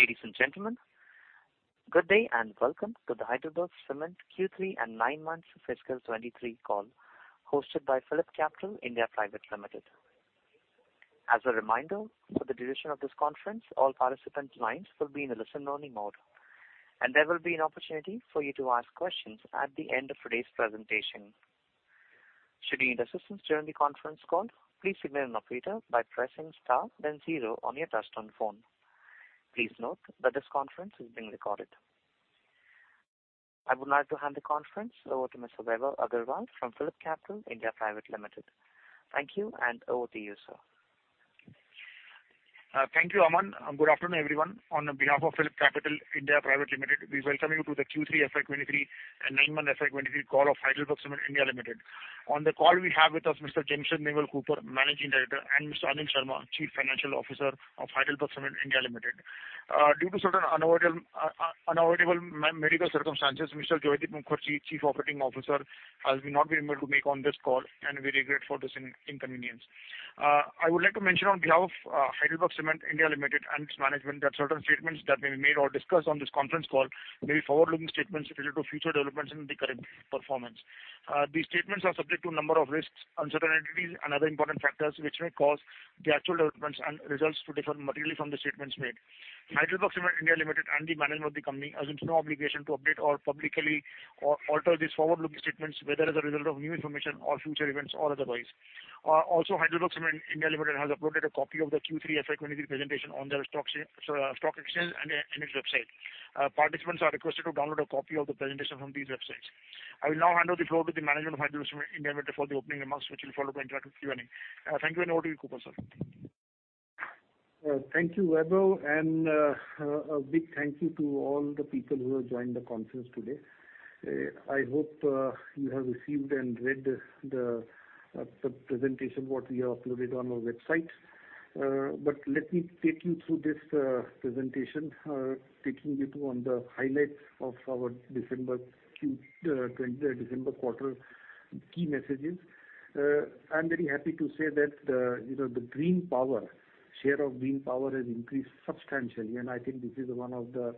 Ladies and gentlemen, good day, and welcome to the HeidelbergCement Q3 and Nine Months Fiscal 2023 Call, hosted by PhillipCapital (India) Private Limited. As a reminder, for the duration of this conference, all participants' lines will be in a listen-only mode, and there will be an opportunity for you to ask questions at the end of today's presentation. Should you need assistance during the conference call, please signal an operator by pressing star, then zero on your touchtone phone. Please note that this conference is being recorded. I would like to hand the conference over to Mr. Vaibhav Agarwal from PhillipCapital (India) Private Limited. Thank you, and over to you, Sir. Thank you, Aman. Good afternoon, everyone. On behalf of PhillipCapital (India) Private Limited, we welcome you to the FY23 and FY23 call of HeidelbergCement India Limited. On the call we have with us Mr. Jamshed Naval Cooper, Managing Director, and Mr. Anil Sharma, Chief Financial Officer of HeidelbergCement India Limited. Due to certain unavoidable medical circumstances, Mr. Joydeep Mukherjee, Chief Operating Officer, has not been able to make on this call, and we regret this inconvenience. I would like to mention on behalf of HeidelbergCement India Limited and its management, that certain statements that may be made or discussed on this conference call may be forward-looking statements related to future developments in the current performance. These statements are subject to a number of risks, uncertainties, and other important factors, which may cause the actual developments and results to differ materially from the statements made. HeidelbergCement India Limited and the management of the company assumes no obligation to update or publicly or alter these forward-looking statements, whether as a result of new information or future events or otherwise. Also, HeidelbergCement India Limited has uploaded a copy of the FY23 presentation on their stock exchange and in its website. Participants are requested to download a copy of the presentation from these websites. I will now hand over the floor to the management of HeidelbergCement India Limited for the opening remarks, which will follow by interactive Q&A. Thank you, and over to you, Cooper, sir. Thank you, Vaibhav, and a big thank you to all the people who have joined the conference today. I hope you have received and read the presentation what we have uploaded on our website. But let me take you through this presentation, taking you to on the highlights of our December quarter key messages. I'm very happy to say that, you know, the green power, share of green power, has increased substantially, and I think this is one of the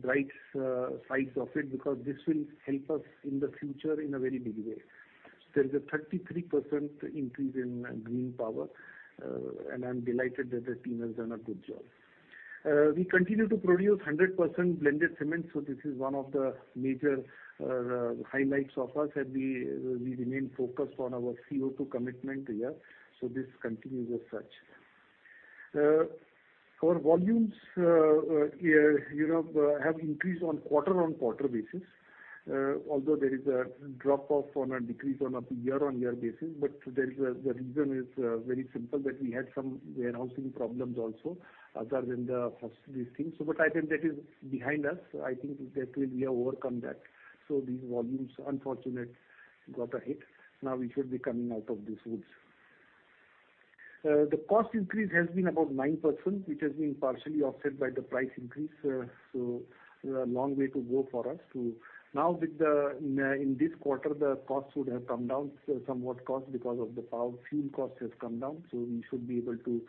bright sides of it, because this will help us in the future in a very big way. There is a 33% increase in green power, and I'm delighted that the team has done a good job. We continue to produce 100% blended cement, so this is one of the major highlights of us, and we remain focused on our CO₂ commitment here, so this continues as such. Our volumes, you know, have increased on quarter-on-quarter basis. Although there is a drop off on a decrease on a year-on-year basis, but there is a, the reason is very simple, that we had some warehousing problems also, other than the first, these things. So but I think that is behind us. I think that we have overcome that, so these volumes unfortunately got a hit. Now we should be coming out of these woods. The cost increase has been about 9%, which has been partially offset by the price increase. So a long way to go for us to... Now, with the in this quarter, the cost would have come down, somewhat cost, because of the power, fuel cost has come down, so we should be able to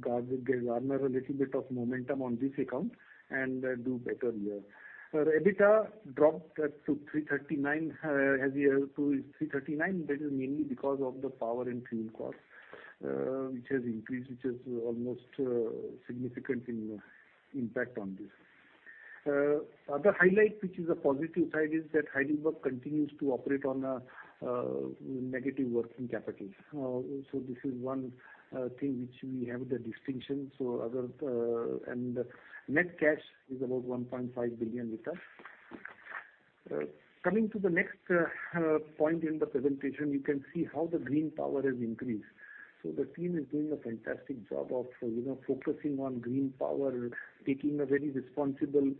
garner a little bit of momentum on this account and do better here. Our EBITDA dropped up to 339, 339 that is mainly because of the power and fuel cost, which has increased, which is almost significant in impact on this. Other highlight, which is a positive side, is that Heidelberg continues to operate on a negative working capital. So this is one thing which we have the distinction, and net cash is about 1.5 billion. Coming to the next point in the presentation, you can see how the green power has increased. So the team is doing a fantastic job of, you know, focusing on green power, taking a very responsible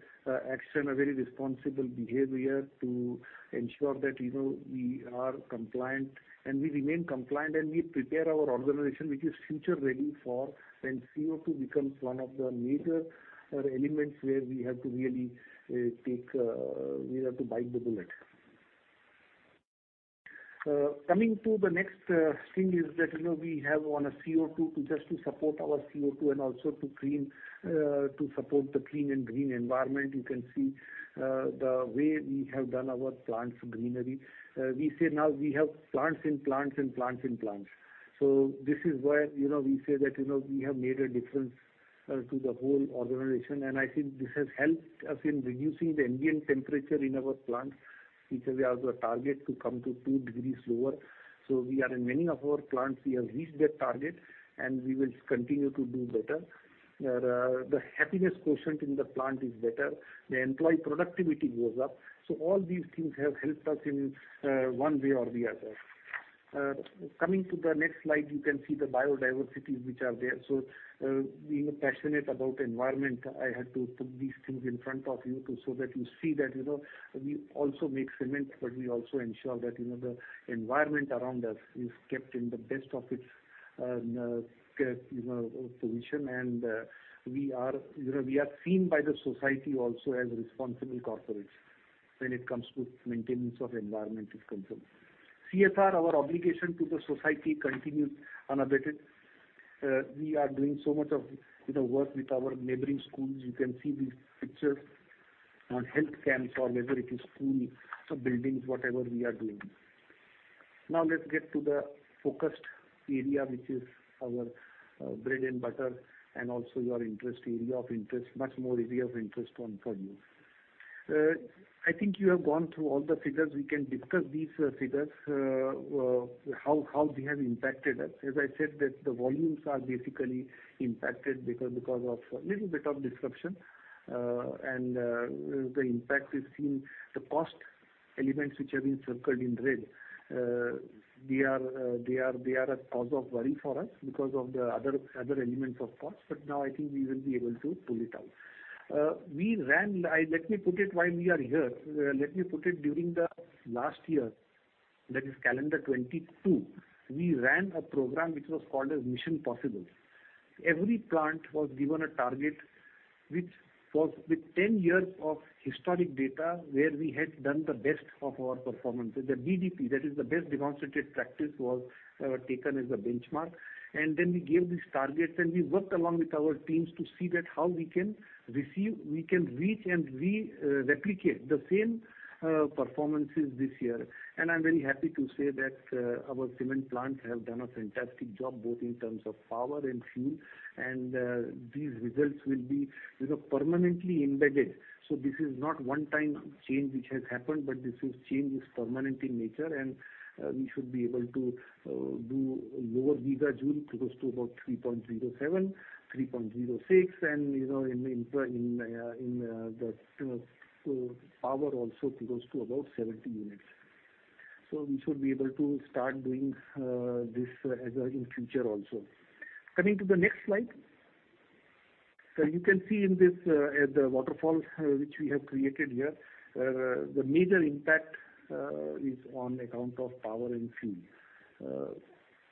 action, a very responsible behavior to ensure that, you know, we are compliant, and we remain compliant, and we prepare our organization, which is future-ready for when CO₂ becomes one of the major elements, where we have to really take, we have to bite the bullet. Coming to the next thing is that, you know, we have on a CO₂, to just to support our CO₂ and also to clean, to support the clean and green environment, you can see, the way we have done our plants greenery. We say now we have plants in plants, and plants in plants. So this is where, you know, we say that, you know, we have made a difference, to the whole organization. And I think this has helped us in reducing the ambient temperature in our plants, which has, we have a target to come to 2° lower. So we are in many of our plants, we have reached that target, and we will continue to do better. The happiness quotient in the plant is better. The employee productivity goes up. So all these things have helped us in one way or the other. Coming to the next slide, you can see the biodiversity which are there. So, being passionate about the environment, I had to put these things in front of you too, so that you see that, you know, we also make cement, but we also ensure that, you know, the environment around us is kept in the best of its position. We are, you know, we are seen by the society also as responsible corporates when it comes to maintenance of environment is concerned. CSR, our obligation to the society, continues unabated. We are doing so much of, you know, work with our neighboring schools. You can see these pictures on health camps, or whether it is school, so buildings, whatever we are doing. Now, let's get to the focused area, which is our, bread and butter, and also your interest, area of interest, much more area of interest on for you. I think you have gone through all the figures. We can discuss these, figures, how, how they have impacted us. As I said, that the volumes are basically impacted because, because of a little bit of disruption. And, the impact we've seen, the cost elements which have been circled in red, they are a cause of worry for us because of the other elements of cost, but now I think we will be able to pull it out. Let me put it while we are here, let me put it during the last year, that is calendar 2022, we ran a program which was called as Mission Possible. Every plant was given a target, which was with 10 years of historic data, where we had done the best of our performance. The BDP, that is the Best Demonstrated Practice, was taken as the benchmark. And then we gave these targets, and we worked along with our teams to see that how we can reach and replicate the same performances this year. And I'm very happy to say that, our cement plants have done a fantastic job, both in terms of power and fuel. And, these results will be, you know, permanently embedded. So this is not one-time change which has happened, but this is change is permanent in nature, and, we should be able to, do lower GJ close to about 3.07, 3.06, and, you know, in the, so power also close to about 70 units. So we should be able to start doing, this, as in future also. Coming to the next slide. So you can see in this, the waterfalls, which we have created here, the major impact is on account of power and fuel.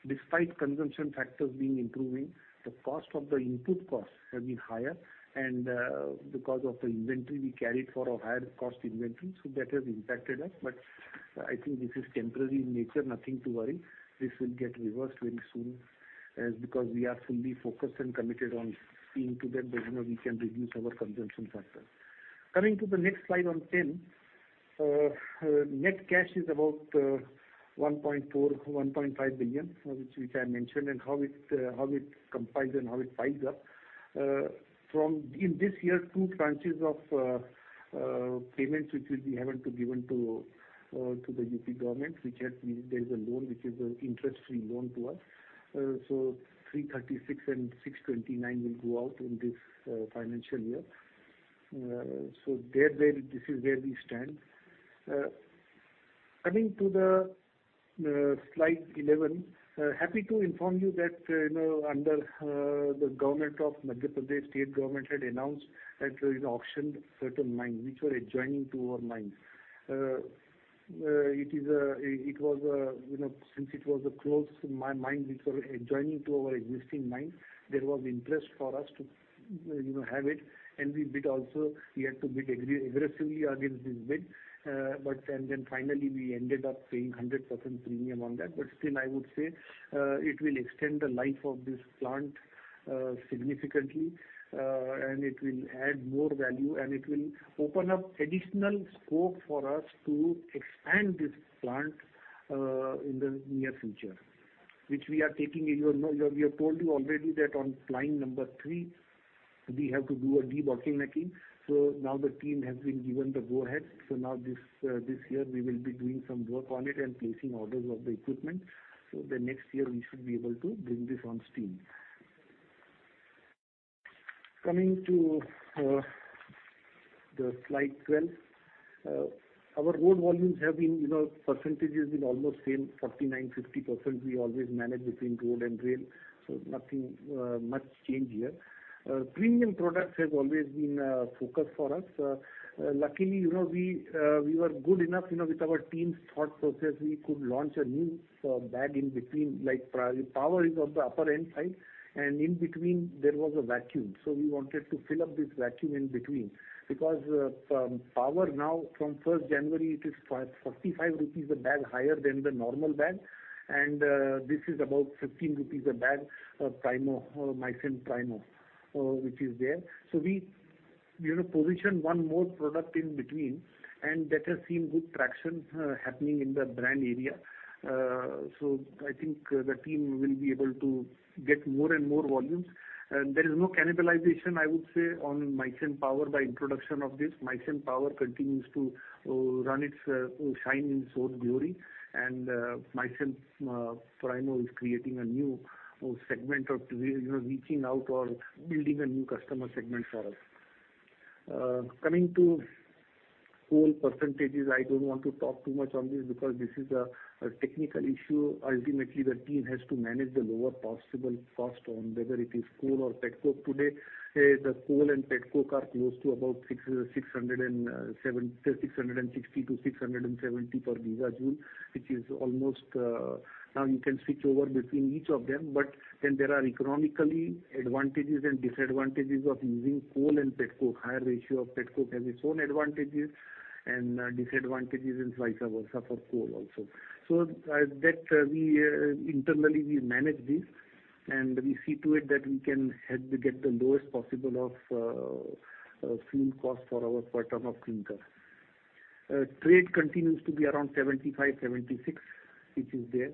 Despite consumption factors being improving, the cost of the input costs have been higher, and, because of the inventory we carried for a higher cost inventory, so that has impacted us. But I think this is temporary in nature, nothing to worry. This will get reversed very soon, because we are fully focused and committed on seeing to that, you know, we can reduce our consumption factor. Coming to the next slide 10. Net cash is about 1.4 to 1.5 billion, which I mentioned, and how it compiles and how it piles up. From this year, two tranches of payments, which will be having to given to the UP government, which has, there is a loan, which is an interest-free loan to us. So 336 and 629 will go out in this financial year. So this is where we stand. Coming to the slide 11. Happy to inform you that, you know, under the government of Madhya Pradesh, state government had announced that, you know, auctioned certain mines which were adjoining to our mines. It is, it was, you know, since it was a close mine, which were adjoining to our existing mine, there was interest for us to, you know, have it, and we bid also. We had to bid aggressively against this bid. But then finally, we ended up paying 100% premium on that. But still, I would say, it will extend the life of this plant significantly, and it will add more value, and it will open up additional scope for us to expand this plant in the near future, which we are taking. You know, we have told you already that on line number three, we have to do a debottlenecking. So now the team has been given the go-ahead. So now this year, we will be doing some work on it and placing orders of the equipment. So the next year, we should be able to bring this on stream. Coming to the slide 12. Our road volumes have been, you know, percentages been almost same, 49% to 50% we always manage between road and rail, so nothing much change here. Premium products has always been focus for us. Luckily, you know, we were good enough, you know, with our team's thought process, we could launch a new bag in between, like, Power is on the upper end side, and in between, there was a vacuum. So we wanted to fill up this vacuum in between. Because, Power now, from first January, it is 55 rupees a bag higher than the normal bag, and this is about 15 rupees a bag, Primo, Mycem Primo, which is there. So we, you know, position one more product in between, and that has seen good traction happening in the brand area. So I think the team will be able to get more and more volumes. There is no cannibalization, I would say, on Mycem Power by introduction of this. Mycem Power continues to run its shine in its own glory, and Mycem Primo is creating a new segment of, you know, reaching out or building a new customer segment for us. Coming to coal percentages, I don't want to talk too much on this, because this is a technical issue. Ultimately, the team has to manage the lower possible cost on whether it is coal or pet coke today. The coal and pet coke are close to about per 660 GJ to 670 GJ, which is almost. Now, you can switch over between each of them, but then there are economically advantages and disadvantages of using coal and pet coke. Higher ratio of pet coke has its own advantages... and, disadvantages and vice versa for coal also. So, that, we internally, we manage this, and we see to it that we can help to get the lowest possible of, fuel cost for our per ton of clinker. Trade continues to be around 75 to 76, which is there.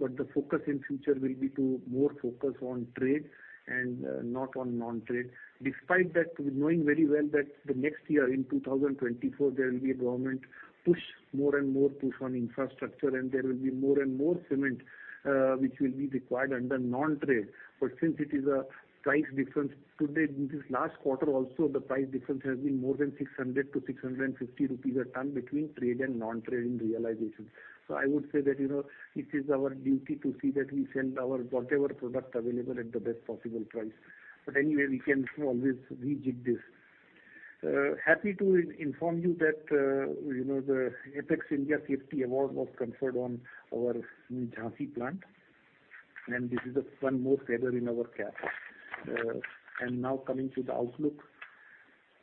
But the focus in future will be to more focus on trade and, not on non-trade. Despite that, we knowing very well that the next year, in 2024, there will be a government push, more and more push on infrastructure, and there will be more and more cement, which will be required under non-trade. But since it is a price difference, today, in this last quarter also, the price difference has been more than 600 to 650 rupees tons between trade and non-trade in realizations. So I would say that, you know, it is our duty to see that we sell our whatever product available at the best possible price. But anyway, we can always rejig this. Happy to inform you that, you know, the Apex India Safety Award was conferred on our Jhansi Plant, and this is one more feather in our cap. And now coming to the outlook.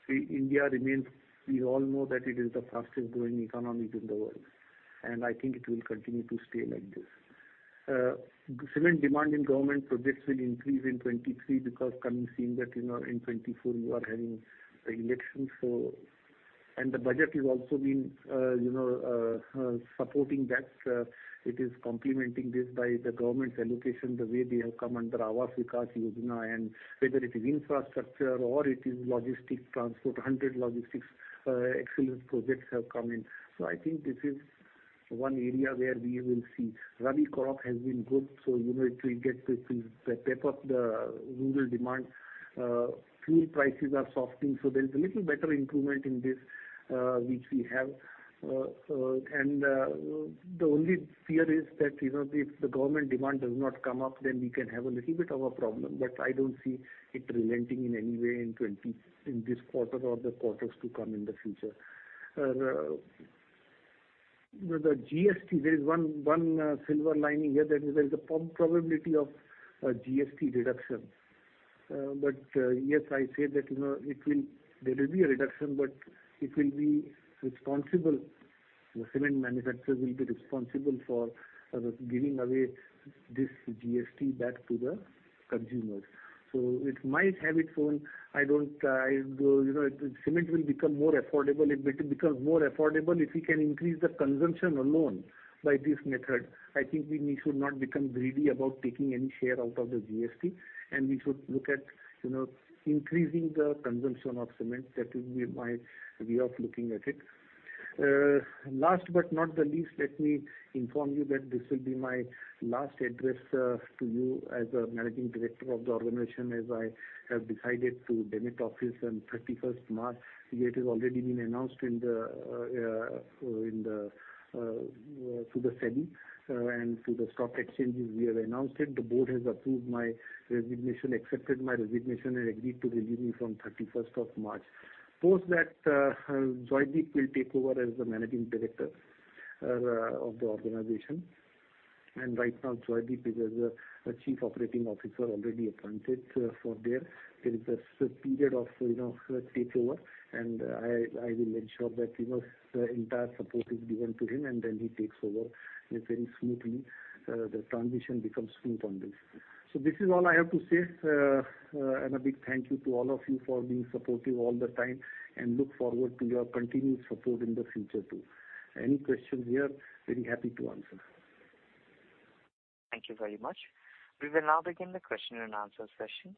See, India remains... We all know that it is the fastest-growing economy in the world, and I think it will continue to stay like this. Cement demand in government projects will increase in 2023, because, you know, in 2024, you are having the election, so... And the budget is also being, you know, supporting that, it is complementing this by the government's allocation, the way they have come under Awas Yojana and whether it is infrastructure or it is logistics transport, 100 logistics excellence projects have come in. So I think this is one area where we will see. Rabi crop has been good, so you know, it will get to pep up the rural demand. Fuel prices are softening, so there is a little better improvement in this, which we have. The only fear is that, you know, if the government demand does not come up, then we can have a little bit of a problem, but I don't see it relenting in any way in this quarter or the quarters to come in the future. The GST, there is one silver lining here, that is, there is a probability of a GST reduction. But yes, I say that, you know, there will be a reduction, but it will be responsible, the cement manufacturer will be responsible for giving away this GST back to the consumers. So it might have its own, I don't, I, you know, cement will become more affordable. It will become more affordable if we can increase the consumption alone by this method. I think we should not become greedy about taking any share out of the GST, and we should look at, you know, increasing the consumption of cement. That would be my way of looking at it. Last but not the least, let me inform you that this will be my last address to you as a Managing Director of the organization, as I have decided to demit office on 31st March. It has already been announced in the to the SEBI. And to the stock exchanges, we have announced it. The board has approved my resignation, accepted my resignation, and agreed to relieve me from 31st of March. Post that, Joydeep will take over as the Managing Director of the organization. And right now, Joydeep is as a Chief Operating Officer, already appointed for there. There is a period of, you know, takeover, and I will make sure that, you know, the entire support is given to him, and then he takes over, and very smoothly, the transition becomes smooth on this. So this is all I have to say, and a big thank you to all of you for being supportive all the time, and look forward to your continued support in the future, too. Any questions here? Very happy to answer. Thank you very much. We will now begin the question and answer session.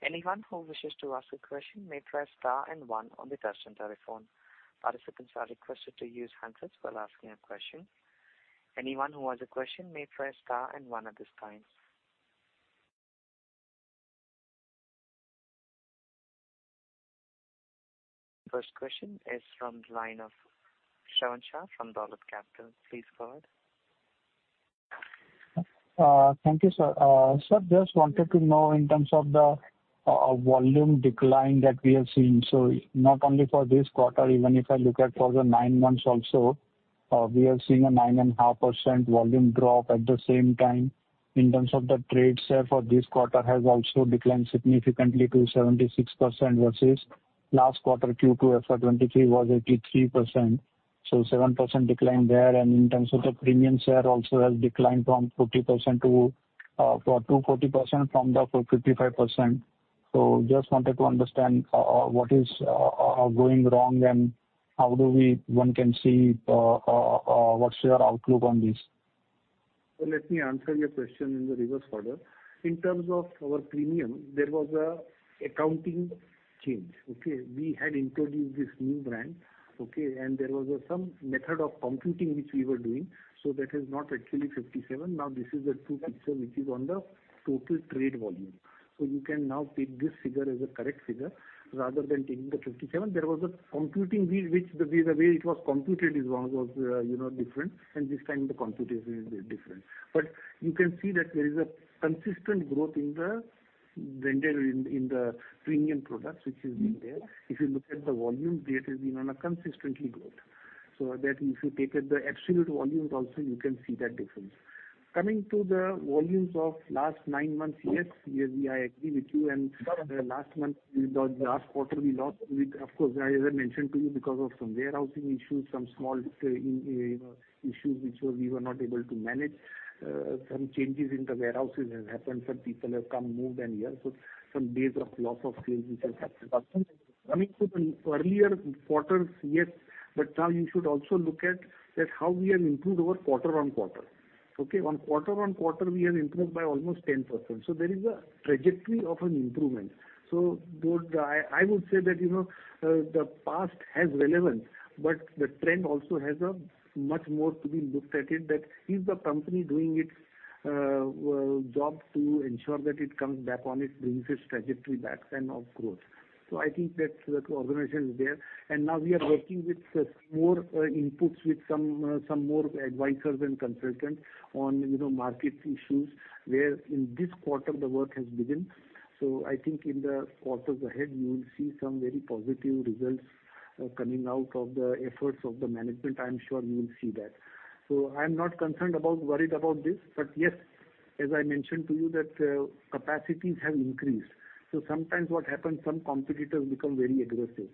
Anyone who wishes to ask a question may press star and one on the touch tone telephone. Participants are requested to use handsets while asking a question. Anyone who has a question may press star and one at this time. First question is from the line of Shravan Shah from Dolat Capital. Please go ahead. Thank you, sir. Sir, just wanted to know in terms of the volume decline that we are seeing. So not only for this quarter, even if I look at for the nine months also, we are seeing a 9.5% volume drop. At the same time, in terms of the trade share for this quarter, has also declined significantly to 76%, versus last quarter, FY23, was 83%, so 7% decline there. And in terms of the premium share, also has declined to 40% from the 55%. So just wanted to understand what is going wrong, and how do we, one can see what's your outlook on this? So let me answer your question in the reverse order. In terms of our premium, there was an accounting change, okay? We had introduced this new brand, okay? And there was some method of computing, which we were doing, so that is not actually 57. Now, this is the true picture, which is on the total trade volume. So you can now take this figure as a correct figure rather than taking the 57. There was a computing wheel, which, the, the way it was computed is one of those, you know, different, and this time the computation is different. But you can see that there is a consistent growth in the vendor, in, in the premium products, which is in there. If you look at the volume, there has been a consistent growth. So that if you take it the absolute volumes also, you can see that difference. Coming to the volumes of last nine months, yes, yes, I agree with you. And last month, the last quarter we lost, which of course, I had mentioned to you because of some warehousing issues, some small, you know, issues which we were not able to manage. Some changes in the warehouses has happened, some people have come, moved and, yes, so some days of loss of sales which has happened. Coming to the earlier quarters, yes, but now you should also look at, at how we have improved over quarter-on-quarter. Okay, on quarter-on-quarter, we have improved by almost 10%, so there is a trajectory of an improvement. So those—I, I would say that, you know, the past has relevance, but the trend also has a much more to be looked at it, that is the company doing its job to ensure that it comes back on its business trajectory back and of course. So I think that the organization is there. And now we are working with some more inputs, with some, some more advisors and consultants on, you know, market issues, where in this quarter the work has begun. So I think in the quarters ahead, you will see some very positive results, coming out of the efforts of the management. I'm sure you will see that. So I'm not concerned about, worried about this. But yes, as I mentioned to you, that, capacities have increased. So sometimes what happens, some competitors become very aggressive.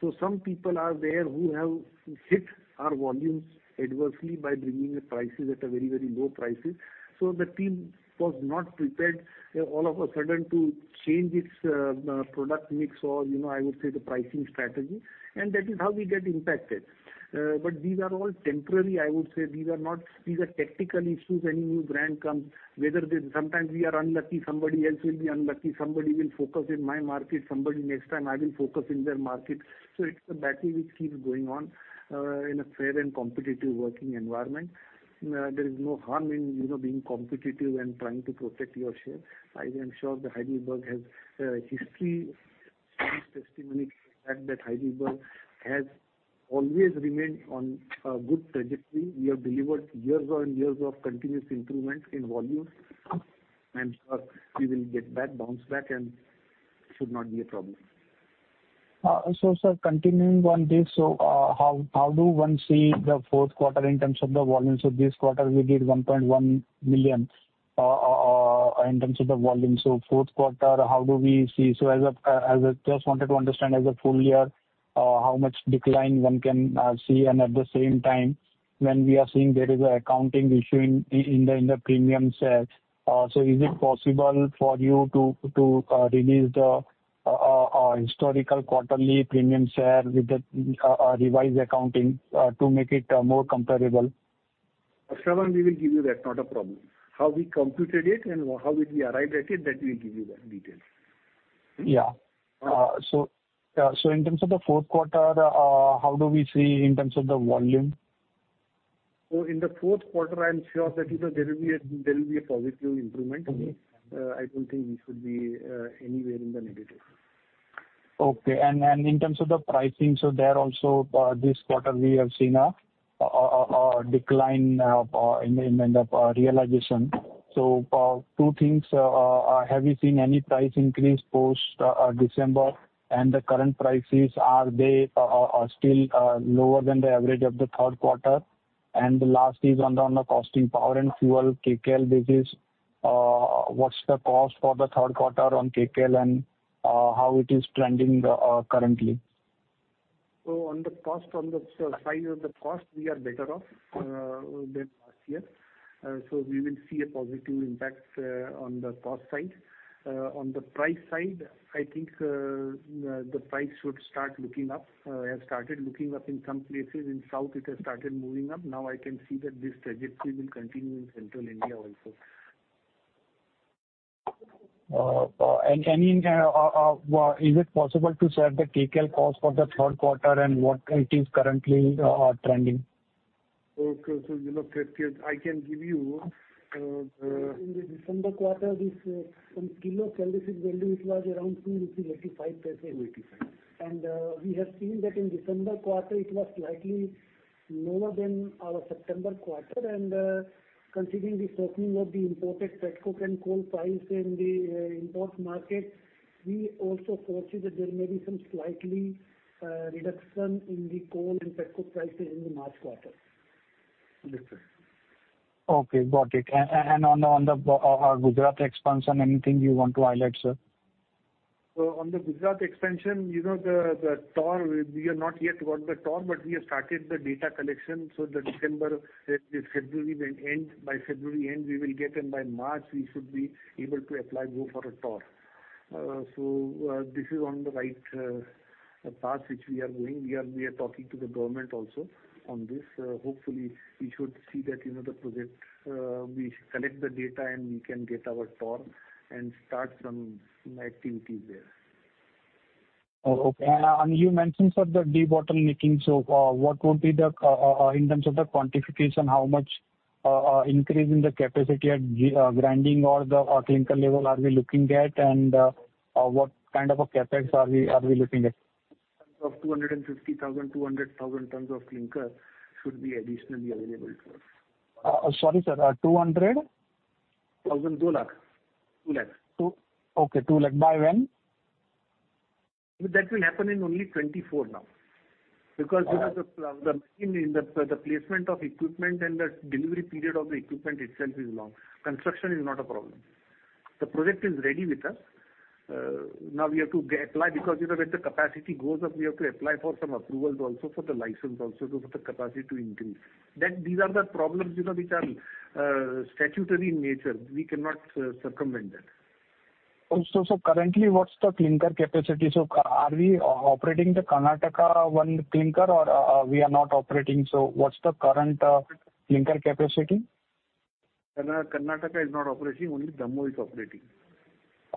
So some people are there who have hit our volumes adversely by bringing the prices at a very, very low prices. So the team was not prepared all of a sudden to change its, product mix or, you know, I would say, the pricing strategy, and that is how we get impacted. But these are all temporary. I would say these are not - these are tactical issues. Any new brand comes, whether they-- sometimes we are unlucky, somebody else will be unlucky, somebody will focus in my market, somebody next time I will focus in their market. So it's a battle which keeps going on, in a fair and competitive working environment. There is no harm in, you know, being competitive and trying to protect your share. I am sure the Heidelberg has a history, strong testimony, that Heidelberg has always remained on a good trajectory. We have delivered years and years of continuous improvement in volumes. I'm sure we will get back, bounce back, and should not be a problem. So, sir, continuing on this, so, how do one see the fourth quarter in terms of the volumes? So this quarter we did 1.1 million in terms of the volume. So Q4, how do we see? So as a – just wanted to understand as a full year, how much decline one can see, and at the same time, when we are seeing there is an accounting issue in the premium sales. So is it possible for you to release the historical quarterly premium share with the revised accounting to make it more comparable? Sure, we will give you that. Not a problem. How we computed it and how we arrived at it, that we'll give you the details. Yeah. So, in terms of the Q4 how do we see in terms of the volume? In the Q4 I'm sure that, you know, there will be a positive improvement. I don't think we should be anywhere in the negative. Okay. And in terms of the pricing, so there also, this quarter, we have seen a decline in the realization. So, two things, have you seen any price increase post December? And the current prices, are they still lower than the average of the Q3? And the last is on the costing power and fuel kcal basis, what's the cost for the third quarter on kcal and, how it is trending currently? So on the cost, on the side of the cost, we are better off than last year. So we will see a positive impact on the cost side. On the price side, I think the price should start looking up. It has started looking up in some places. In South, it has started moving up. Now I can see that this trajectory will continue in central India also. Is it possible to share the kcal cost for the Q3 and what it is currently trending? Okay. So, you know, I can give you, in the December quarter, this from kcal value, it was around 2.85 rupees. And, we have seen that in December quarter it was slightly lower than our September quarter. And, considering the softening of the imported petcoke and coal prices in the import market, we also foresee that there may be some slightly reduction in the coal and petcoke prices in the March quarter. Okay, got it. And on the Gujarat expansion, anything you want to highlight, sir? So on the Gujarat expansion, you know, the ToR, we have not yet got the ToR, but we have started the data collection. So the December, February end, by February end, we will get, and by March, we should be able to apply, go for a ToR. So, this is on the right path which we are going. We are talking to the government also on this. Hopefully, we should see that, you know, the project, we collect the data and we can get our ToR and start some activities there. Okay. And you mentioned, Sir, the debottlenecking. So, what would be the, in terms of the quantification, how much, increase in the capacity at, grinding or the clinker level are we looking at? And, what kind of a CapEx are we looking at? 250,000 to 200,000 tons of clinker should be additionally available for us. Sorry, sir, 200? 2 lakh. 2 lakh. Okay, 2 lakh. By when? But that will happen in only 2024 now, because- Uh. The placement of equipment and the delivery period of the equipment itself is long. Construction is not a problem. The project is ready with us. Now we have to get apply, because, you know, when the capacity goes up, we have to apply for some approvals also, for the license also, for the capacity to increase. Then these are the problems, you know, which are statutory in nature. We cannot circumvent that. So, so currently, what's the clinker capacity? So are we operating the Karnataka one clinker, or, we are not operating? So what's the current clinker capacity? Karnataka is not operating, only Damoh is operating.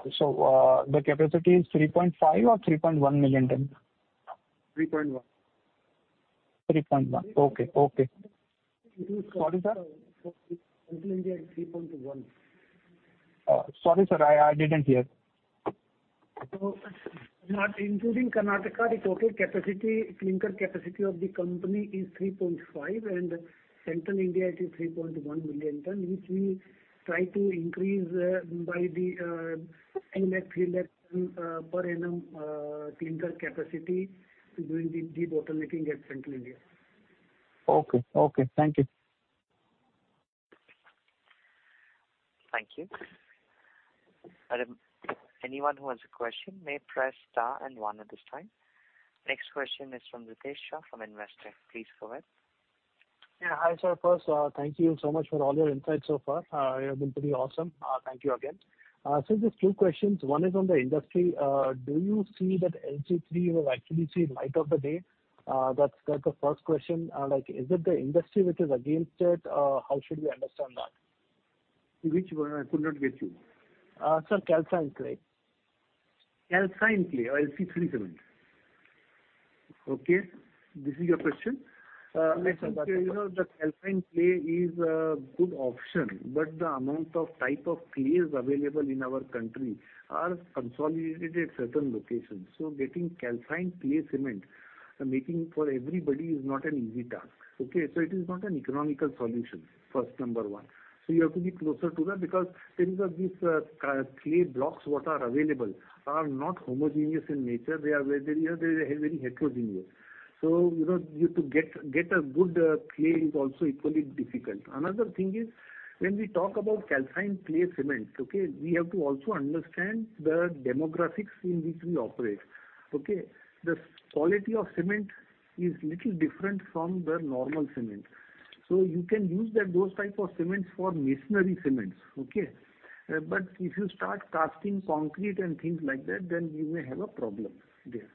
The capacity is 3.5 or 3.1 million tons? 3.1. 3.1. Okay, okay. Sorry, sir? Central India is 3.1. Sorry, sir, I didn't hear. Not including Karnataka, the total capacity, clinker capacity of the company is 3.5, and Central India, it is 3.1 million ton, which we try to increase by the 200,000 to 300,000 per annum clinker capacity during the bottlenecking at Central India. Okay. Okay, thank you. Thank you. Anyone who has a question may press star and one at this time. Next question is from Ritesh Shah, from Investec. Please go ahead. Yeah. Hi, sir. First, thank you so much for all your insights so far. You have been pretty awesome. Thank you again. So just two questions. One is on the industry. Do you see that LC3 will actually see light of the day? That's the first question. Like, is it the industry which is against it, or how should we understand that? Which one? I could not get you. Sir, calcined clay. Calcined clay, or LC3 cement. Okay, this is your question. Uh, You know, the calcined clay is a good option, but the amount of type of clays available in our country are consolidated at certain locations. So getting calcined clay cement, making for everybody is not an easy task, okay? So it is not an economical solution, first, number one. So you have to be closer to that because some of these, clay blocks what are available are not homogeneous in nature. They are very, very, they are very heterogeneous. So, you know, you to get, get a good clay is also equally difficult. Another thing is, when we talk about calcined clay cements, okay, we have to also understand the demographics in which we operate. Okay? The quality of cement is little different from the normal cement. So you can use that, those type of cements for masonry cements, okay? But if you start casting concrete and things like that, then you may have a problem there.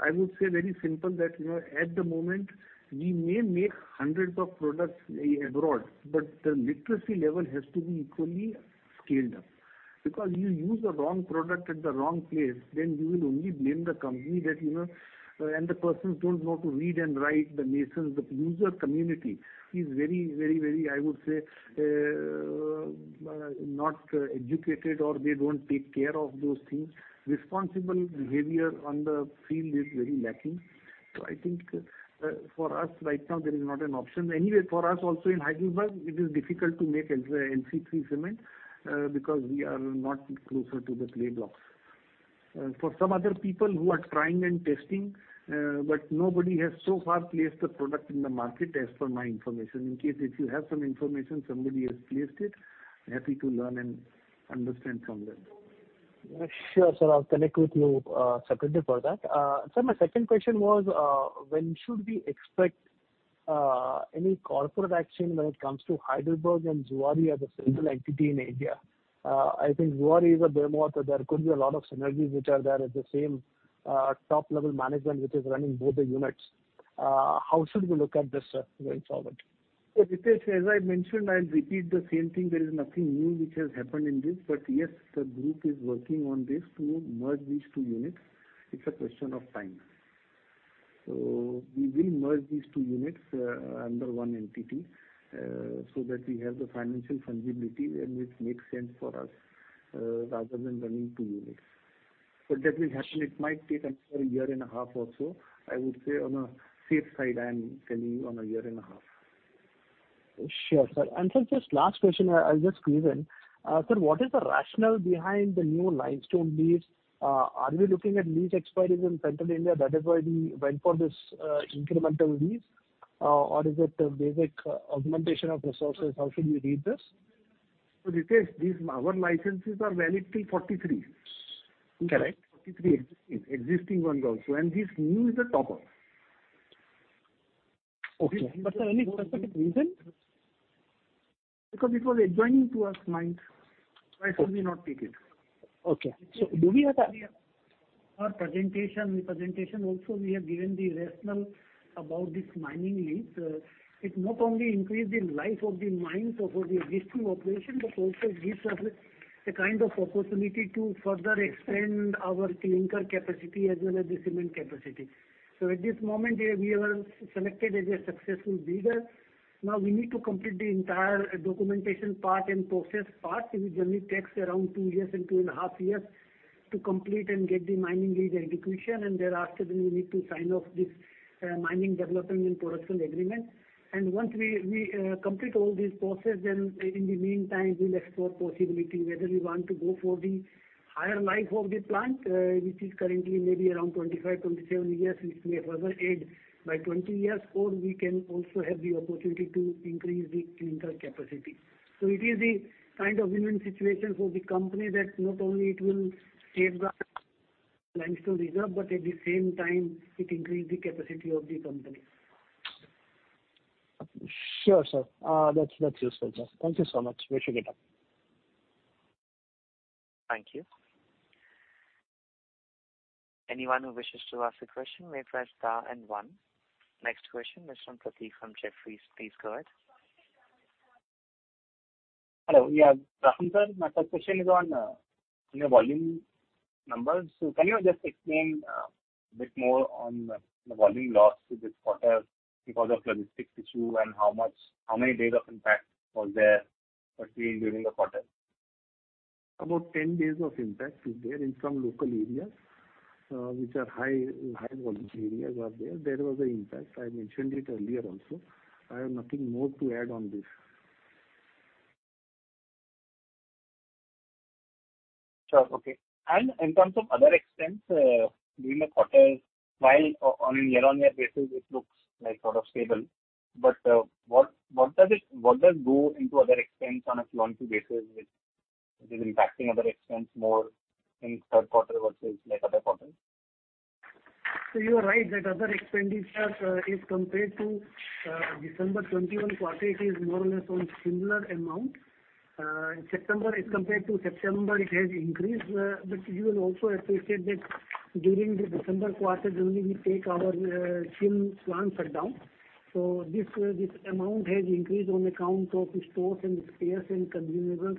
I would say very simple, that, you know, at the moment, we may make hundreds of products abroad, but the literacy level has to be equally scaled up. Because you use the wrong product at the wrong place, then you will only blame the company that you know, and the persons don't know to read and write, the nations, the user community is very, very, very, I would say, not educated or they don't take care of those things. Responsible behavior on the field is very lacking. So I think, for us right now, there is not an option. Anyway, for us also in Heidelberg, it is difficult to make LC3 cement, because we are not closer to the clay blocks. For some other people who are trying and testing, but nobody has so far placed the product in the market as per my information. In case, if you have some information, somebody has placed it, happy to learn and understand from that. Sure, sir, I'll connect with you, separately for that. Sir, my second question was, when should we expect, any corporate action when it comes to Heidelberg and Zuari as a single entity in India? I think Zuari is at Damoh, that there could be a lot of synergies which are there at the same, top-level management, which is running both the units. How should we look at this, going forward? So Ritesh, as I mentioned, I'll repeat the same thing. There is nothing new which has happened in this, but yes, the group is working on this to merge these two units. It's a question of time. So we will merge these two units under one entity so that we have the financial flexibility and it makes sense for us rather than running two units. So that will happen. It might take another year and a half or so. I would say on a safe side, I am telling you, on a year and a half. Sure, sir. And sir, just last question I'll just close in. Sir, what is the rationale behind the new limestone lease? Are we looking at lease expiries in central India, that is why we went for this, incremental lease? Or is it a basic augmentation of resources? How should we read this? Ritesh, these... Our licenses are valid till 2043. Correct. 43 existing one also, and this new is the top-up. Okay. But, any specific reason? Because it was adjoining our mine. Why should we not take it? Okay. So do we have a- Our presentation also we have given the rationale about this mining lease. It not only increases the life of the mine for the existing operation, but also gives us a kind of opportunity to further expand our clinker capacity as well as the cement capacity. So at this moment, we were selected as a successful bidder. Now we need to complete the entire documentation part and process part; it usually takes around 2 years and 2.5 years to complete and get the mining lease execution, and thereafter, then we need to sign off this mining development and production agreement. And once we complete all this process, then in the meantime, we'll explore possibility whether we want to go for the higher life of the plant, which is currently maybe around 25, 27 years, which may further add by 20 years, or we can also have the opportunity to increase the clinker capacity. So it is the kind of winning situation for the company that not only it will save the limestone reserve, but at the same time it increase the capacity of the company. Sure, sir. That's, that's useful. Thank you so much. Wish you good day. Thank you. Anyone who wishes to ask a question, may press star and one. Next question is from Prateek from Jefferies. Please go ahead. Hello. Yeah, Prateek Sir, my first question is on, your volume numbers. So can you just explain, a bit more on the volume loss in this quarter because of logistics issue, and how much- how many days of impact was there between during the quarter? About 10 days of impact is there in some local areas, which are high, high volume areas are there. There was an impact. I mentioned it earlier also. I have nothing more to add on this. Sure. Okay. In terms of other expense, during the quarter, while on a year-on-year basis, it looks like sort of stable, but what does go into other expense on a quarter-on-quarter basis, which is impacting other expense more in Q3 versus like other quarters? So you are right, that other expenditure, if compared to December 2021 quarter, it is more or less on similar amount. September, as compared to September, it has increased, but you will also appreciate that during the December quarter, generally, we take our kiln plant shutdown. So this, this amount has increased on account of stores and spares and consumables.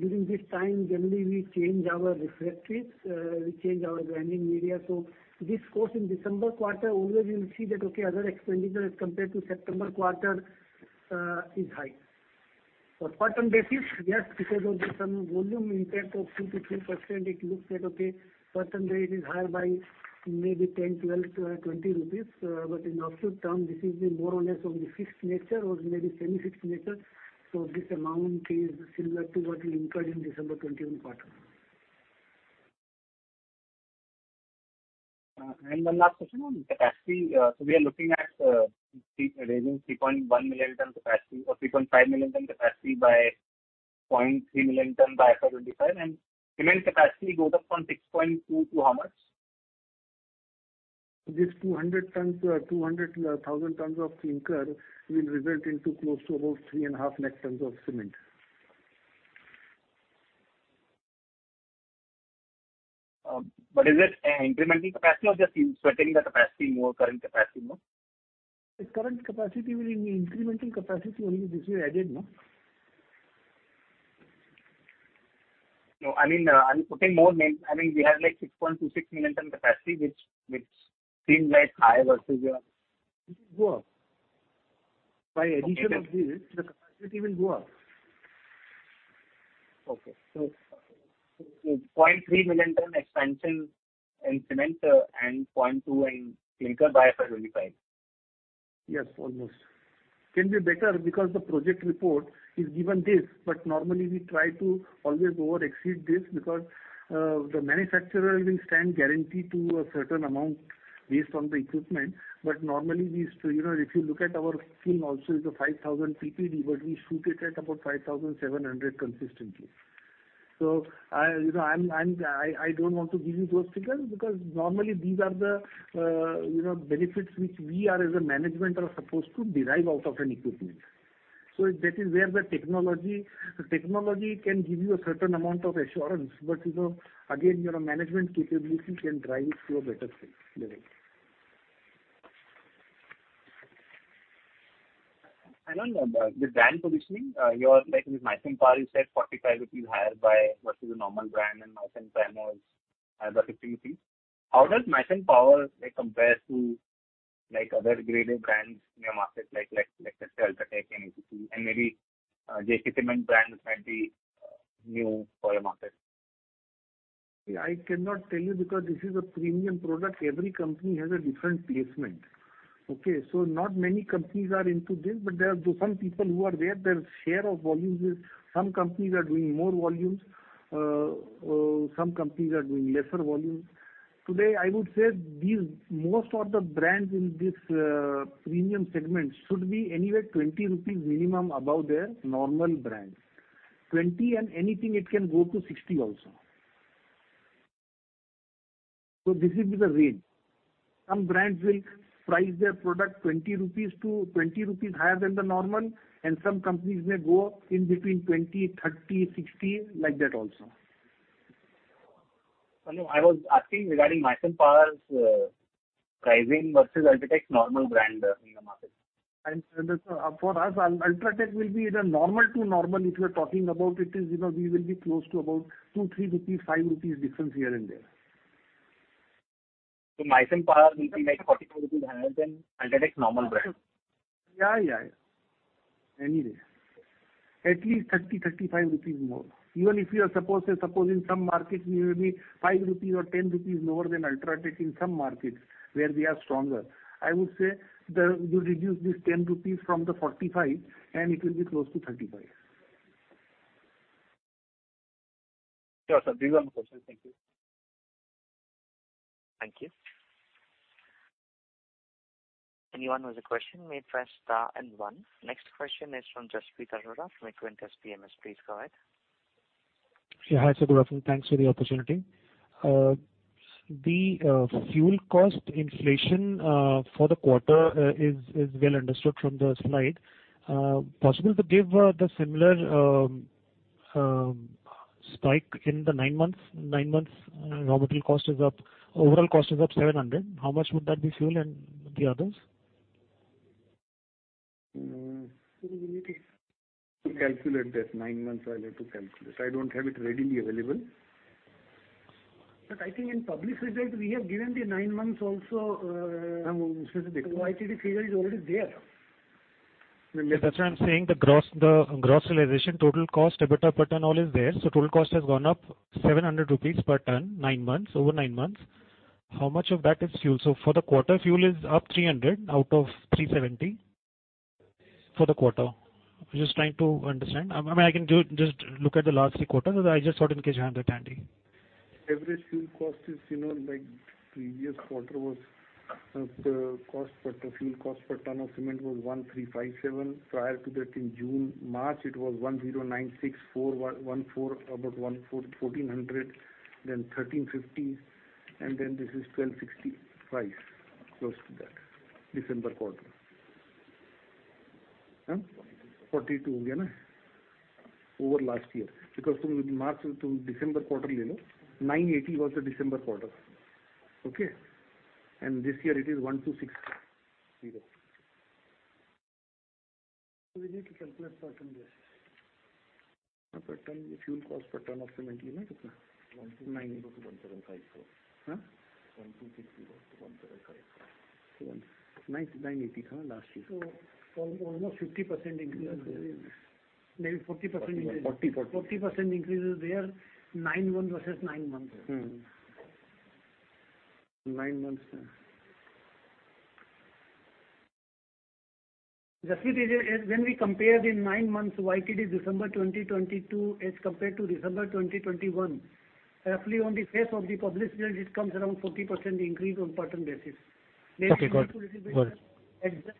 During this time, generally, we change our refractories, we change our grinding media. So this cost in December quarter, always you will see that, okay, other expenditure as compared to September quarter, is high. For quarter basis, yes, because of the some volume impact of 2% to 3%, it looks that, okay, quarter basis is higher by maybe 10, 12, 20 rupees. But in absolute terms, this is more or less of the fixed nature or maybe semi-fixed nature. So this amount is similar to what we incurred in December 2021 quarter. And the last question on capacity. So we are looking at raising 3.1-million-ton capacity or 3.5-million-ton capacity by 0.3 million ton by fiscal 2025, and cement capacity goes up from 6.2 to how much? This 200,000 tons of clinker will result into close to about 350,000 tons of cement. Is it an incremental capacity or just sweating the capacity, more current capacity more? The current capacity will be incremental capacity only. This we added now. No, I mean, putting more... I mean, we have, like, 6.26 million ton capacity, which seems like high versus your- Go up. By addition of this, the capacity will go up. Okay. So, 0.3 million ton expansion in cement, and 0.2 in clinker by fiscal 2025? Yes, almost. Can be better because the project report is given this, but normally we try to always over-exceed this, because the manufacturer will stand guarantee to a certain amount based on the equipment. But normally, we still, you know, if you look at our kiln also, is a 5,000 TPD, but we shoot it at about 5,700 consistently. So, you know, I don't want to give you those figures, because normally these are the, you know, benefits which we are, as a management, are supposed to derive out of an equipment. So that is where the technology... The technology can give you a certain amount of assurance, but, you know, again, your management capability can drive it to a better place, level. On the brand positioning, your, like, this Mycem Power, you said 45 rupees higher versus the normal brand, and Mycem Primo is higher by 15 rupees. How does Mycem Power, like, compare to, like, other graded brands in your market, like, like, say UltraTech and ACC, and maybe, JK Cement brands might be, new for your market? I cannot tell you, because this is a premium product. Every company has a different placement. Okay? So not many companies are into this, but there are some people who are there. Their share of volumes is some companies are doing more volumes, some companies are doing lesser volumes. Today, I would say these, most of the brands in this, premium segment should be anywhere 20 rupees minimum above their normal brand. 20, and anything, it can go to 60 also. So this is the range. Some brands will price their product 20 rupees to 20 rupees higher than the normal, and some companies may go up in between 20, 30, 60, like that also. I know. I was asking regarding Mycem Power's pricing versus UltraTech's normal brand in the market. For us, UltraTech will be the normal to normal, if you're talking about it, you know, we will be close to about 2 rupees, INR 3, 5 rupees difference here and there. So Mycem Power will be like 44 rupees higher than UltraTech normal brand? Yeah, yeah, yeah. Anyway, at least 30 to 35 rupees more. Even if you are supposed to, suppose in some markets, we will be 5 rupees or 10 rupees lower than UltraTech in some markets where we are stronger. I would say the, you reduce this 10 rupees from the 45, and it will be close to 35. Sure, sir. These are the questions. Thank you. Thank you. Anyone with a question may press star and one. Next question is from Jaspreet Singh Arora from Equirus Securities. Please go ahead. Yeah, Hi, Sir. Good afternoon. Thanks for the opportunity. The fuel cost inflation for the quarter is well understood from the slide. Possible to give the similar spike in the nine months? Nine months, raw material cost is up, overall cost is up 700. How much would that be fuel and the others? We need to calculate that nine months, I'll have to calculate. I don't have it readily available. But I think in public result, we have given the nine months also, figure is already there. Yes, that's what I'm saying, the gross, the gross realization, total cost, EBITDA per ton, all is there. So total cost has gone up 700 rupees per ton, nine months, over nine months. How much of that is fuel? So for the quarter, fuel is up 300 out of 370, for the quarter. I'm just trying to understand. I mean, I can do just look at the last Q3s. I just thought in case you have that handy. Average fuel cost is, you know, like, previous quarter was, the cost per, fuel cost per ton of cement was 1,357. Prior to that, in June, March, it was 1,096, 414, about 1,414, then 1,350, and then this is 1,265, close to that, December quarter. 42 over last year. Because from March to December quarter, 980 was the December quarter, okay? And this year it is 1,260. We need to calculate per ton this. Per ton, the fuel cost per ton of cement INR 1,260 to INR 1,750. INR 1,260 to INR 1,750. INR 9,980, so almost 50% increase, maybe 40% increase. 40% increase is there, nine one versus nine months. Nine months, yeah. Jaspreet, when we compare the nine months YTD, December 2022, as compared to December 2021, roughly on the face of the public result, it comes around 40% increase on per ton basis. Okay, got it. Good.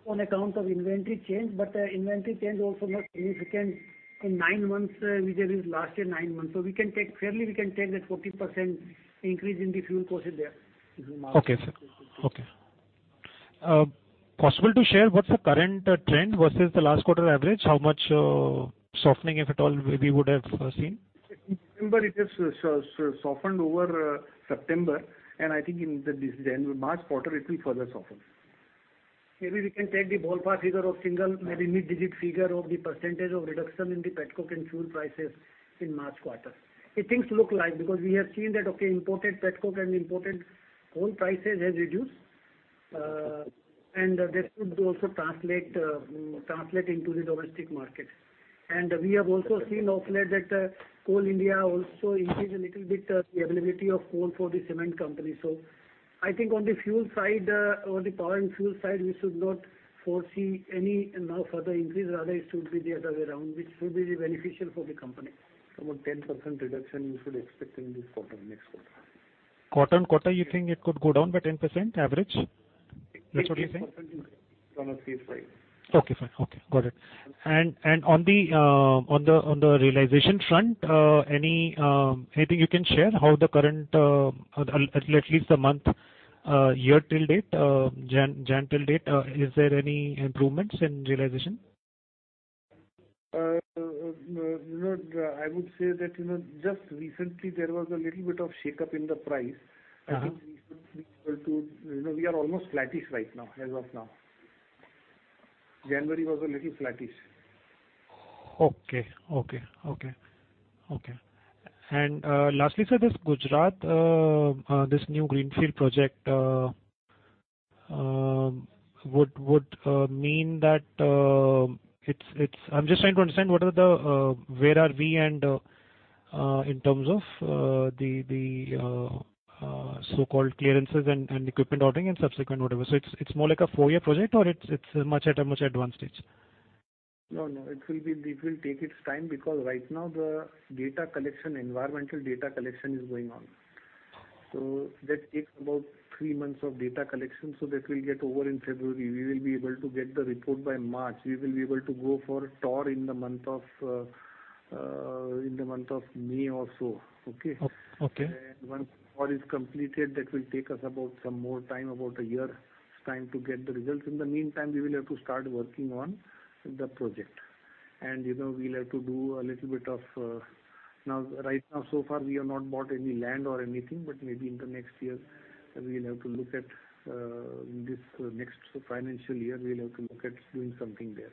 On account of inventory change, but, inventory change also not significant in nine months, which is last year, nine months. So we can take, fairly, we can take that 40% increase in the fuel cost is there in the market. Okay, sir. Okay. Possible to share what's the current trend versus the last quarter average? How much softening, if at all, we would have seen? In December, it has softened over September, and I think in the December-January-March quarter, it will further soften. Maybe we can take the ballpark figure of single, maybe mid-digit figure of the percentage of reduction in the petcoke and fuel prices in March quarter. If things look like, because we have seen that, okay, imported petcoke and imported coal prices has reduced, and this could also translate into the domestic market. And we have also seen of late that, Coal India also increased a little bit, the availability of coal for the cement company. So I think on the fuel side, or the power and fuel side, we should not foresee any further increase. Rather, it should be the other way around, which should be beneficial for the company. About 10% reduction you should expect in this quarter, next quarter. Quarter-over-quarter, you think it could go down by 10%, average? That's what you're saying? 10% increase. Okay, fine. Okay, got it. On the realization front, anything you can share? How the current, at least a month, year to date, January to date, is there any improvements in realization? You know, I would say that, you know, just recently there was a little bit of shake-up in the price. Uh-huh. I think we should be able to... You know, we are almost flattish right now, as of now. January was a little flattish. Okay. Lastly, sir, this Gujarat this new greenfield project would mean that it's. I'm just trying to understand where are we and in terms of the so-called clearances and equipment ordering and subsequent whatever. So it's more like a four-year project, or it's much at a much advanced stage? No, no, it will be... It will take its time, because right now the data collection, environmental data collection is going on. So that takes about three months of data collection, so that will get over in February. We will be able to get the report by March. We will be able to go for ToR in the month of, in the month of May or so, okay? O-okay. Once ToR is completed, that will take us about some more time, about a year's time, to get the results. In the meantime, we will have to start working on the project. And, you know, we'll have to do a little bit of. Now, right now, so far, we have not bought any land or anything, but maybe in the next year, we'll have to look at, this next financial year, we'll have to look at doing something there.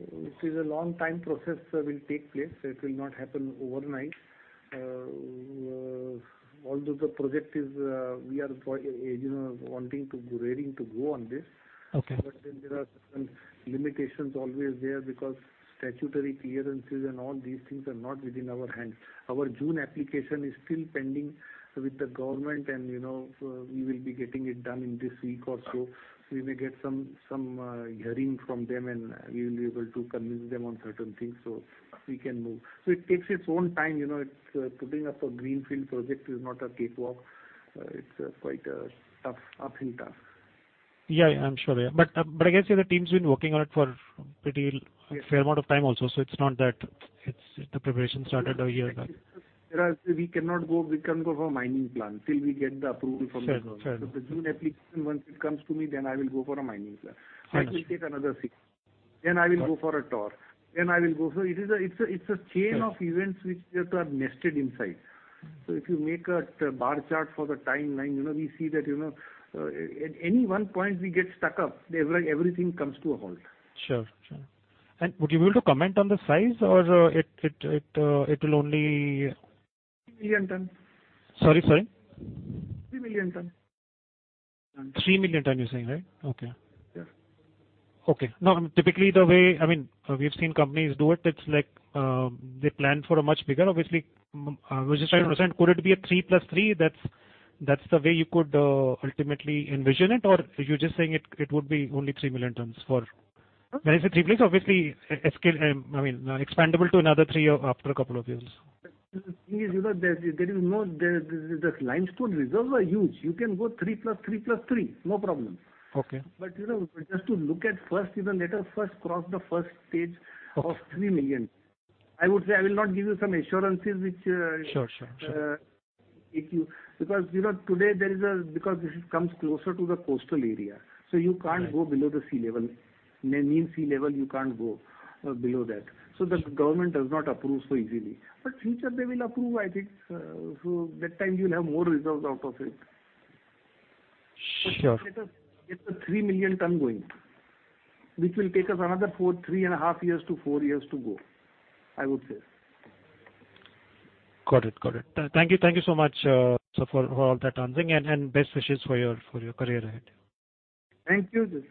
This is a long-time process that will take place. It will not happen overnight. Although the project is, we are, for, you know, wanting to, raring to go on this. Okay. But then there are certain limitations always there, because statutory clearances and all these things are not within our hands. Our June application is still pending with the government, and, you know, we will be getting it done in this week or so. We may get some hearing from them, and we will be able to convince them on certain things, so we can move. So it takes its own time. You know, it's putting up a greenfield project is not a cakewalk. It's quite a tough, uphill task. Yeah, I'm sure. But I guess the team's been working on it for pretty- Yes. a fair amount of time also, so it's not that. It's, the preparation started a year back. We cannot go, we can't go for a mining plan till we get the approval from the government. Sure. Sure. The June application, once it comes to me, then I will go for a mining plan. Right. That will take another six. Then I will go for a tour. Then I will go... So it is a chain- Sure of events which just are nested inside. So if you make a bar chart for the timeline, you know, we see that, you know, at any one point we get stuck up, everything comes to a halt. Sure. Sure. And would you be able to comment on the size, or it will only- 3 million ton. Sorry, sorry? 3 million ton. 3 million ton, you're saying, right? Okay. Yeah. Okay. Now, typically, the way, I mean, we've seen companies do it, it's like, they plan for a much bigger. Obviously, I was just trying to understand, could it be a three + three? That's, that's the way you could, ultimately envision it, or are you just saying it, it would be only 3 million tons for- Huh? When I say +3, obviously, I mean, expandable to another 3 or after a couple of years. The thing is, you know, there is no... The limestone reserves are huge. You can go three plus three plus three, no problem. Okay. But, you know, just to look at first, even let us first cross the first stage- Okay of 3 million. I would say, I will not give you some assurances which, Sure, sure, sure. If you... Because, you know, today there is a, because this comes closer to the coastal area, so you can't- Right Go below the sea level. Mean sea level, you can't go below that. So the government does not approve so easily. But future, they will approve, I think. So that time you'll have more reserves out of it. Sure. Let us get the 3 million ton going, which will take us another 3.5 to 4 years to go, I would say. Got it. Got it. Thank you. Thank you so much, sir, for all that answering, and best wishes for your career ahead. Thank you, Sir.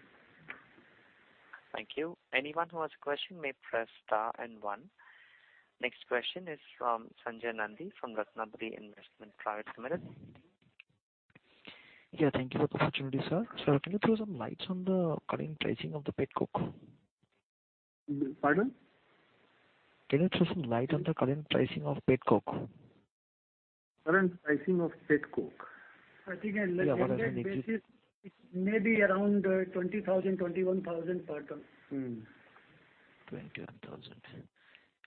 Thank you. Anyone who has a question may press star and one. Next question is from Sanjay Nandi, from Ratnabali Investment Private Limited. Yeah, thank you for the opportunity, Sir. Sir, can you throw some lights on the current pricing of the Petcoke? Pardon? Can you throw some light on the current pricing of Petcoke? Current pricing of Petcoke? I think in- Yeah, what are the basis? Maybe around 20,000 to 21,000 per ton. Hmm. 21,000.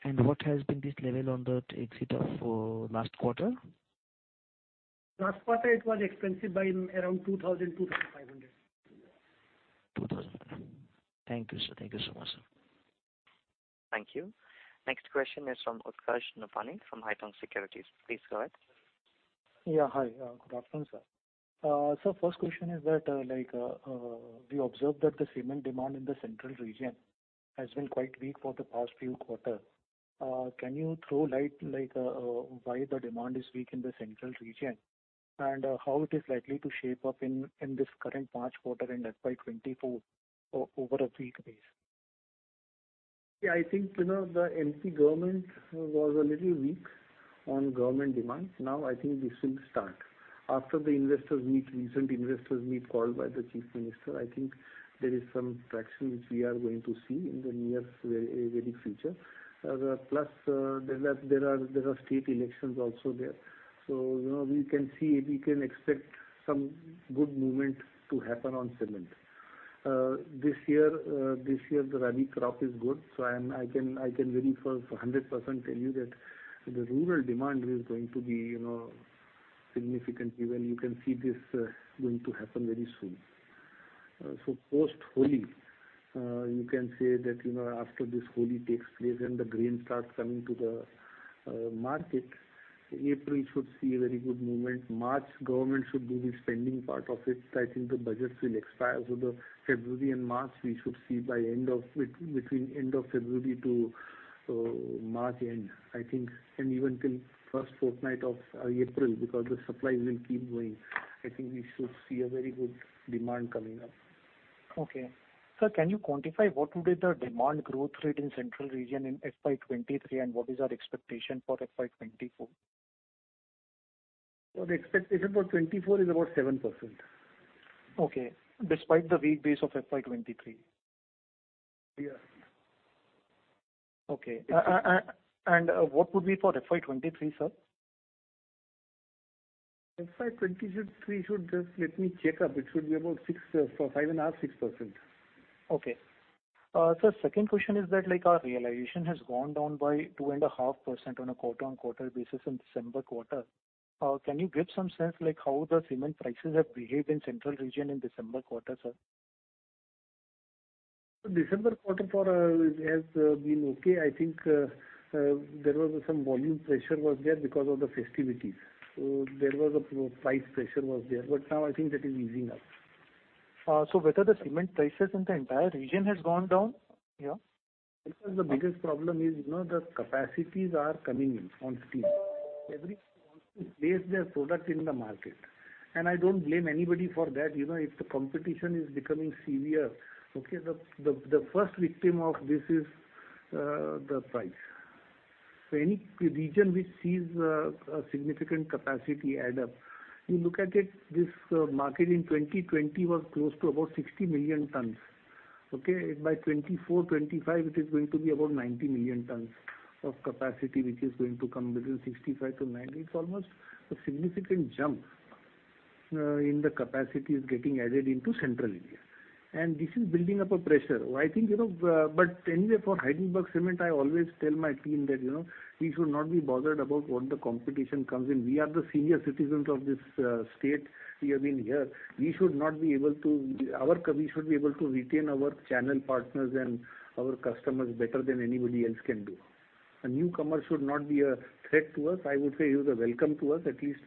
And what has been this level on the exit of last quarter? Last quarter, it was expensive by around 2,000 to 2,500. 2000. Thank you, sir. Thank you so much, sir. Thank you. Next question is from Utkarsh Nopany, from Haitong Securities. Please go ahead. Yeah, Hi. Good afternoon, Sir. So first question is that, like, we observed that the cement demand in the central region has been quite weak for the past few quarters. Can you throw light, like, why the demand is weak in the central region? And how it is likely to shape up in this current March quarter in FY 2024, over a weak base? Yeah, I think, you know, the MP government was a little weak on government demands. Now, I think this will start. After the investors' meet, recent investors' meet called by the Chief Minister, I think there is some traction which we are going to see in the near, very, very future. Plus, there are state elections also there. So, you know, we can see, we can expect some good movement to happen on cement. This year, this year, the Rabi crop is good, so I can very for, for 100% tell you that the rural demand is going to be, you know, significantly, well, you can see this going to happen very soon. So post-Holi, you can say that, you know, after this Holi takes place and the grain starts coming to the market, April should see a very good movement. March, government should do the spending part of it. I think the budgets will expire, so the February and March, we should see by end of... between end of February to March end. I think, and even till first fortnight of April, because the supply will keep going. I think we should see a very good demand coming up. Okay. Sir, can you quantify what would be the demand growth rate in central region in FY 2023, and what is our expectation for FY 2024? The expectation for 2024 is about 7%. Okay. Despite the weak base of FY23? Yes. Okay. And what would be for FY23, Sir? FY 2023 should, let me check up. It should be about 6%, 5.5%, 6%. Okay. Sir, second question is that, like, our realization has gone down by 2.5% on a quarter-on-quarter basis in December quarter. Can you give some sense, like, how the cement prices have behaved in central region in December quarter, sir? December quarter for has been okay. I think there was some volume pressure was there because of the festivities. So there was a price pressure was there, but now I think that is easing up.... so whether the cement prices in the entire region has gone down? Yeah. Because the biggest problem is, you know, the capacities are coming in on steam. Everyone wants to place their product in the market, and I don't blame anybody for that. You know, if the competition is becoming severe, okay, the first victim of this is the price. So any region which sees a significant capacity add up, you look at it, this market in 2020 was close to about 60 million ton. Okay? By 2024, 2025, it is going to be about 90 million ton of capacity, which is going to come between 65 to 90. It's almost a significant jump in the capacities getting added into central India. And this is building up a pressure. I think, you know, but anyway, for HeidelbergCement, I always tell my team that, you know, we should not be bothered about what the competition comes in. We are the senior citizens of this state. We have been here. We should be able to retain our channel partners and our customers better than anybody else can do. A newcomer should not be a threat to us. I would say he was a welcome to us. At least,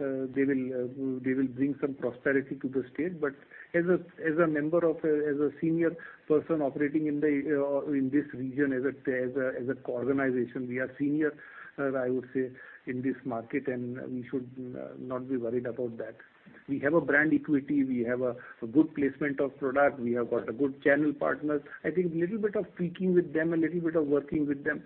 they will bring some prosperity to the state. But as a senior person operating in this region, as an organization, we are senior, I would say, in this market, and we should not be worried about that. We have a brand equity, we have a good placement of product, we have got a good channel partners. I think little bit of tweaking with them and little bit of working with them.